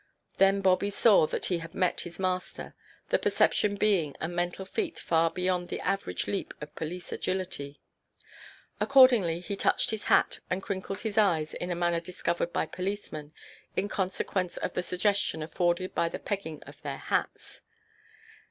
Then Bobby saw that he had met his master, the perception being a mental feat far beyond the average leap of police agility. Accordingly he touched his hat, and crinkled his eyes in a manner discovered by policemen, in consequence of the suggestion afforded by the pegging of their hats.